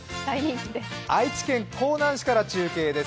愛知県江南市から中継です。